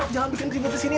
jangan bikin ribet kesini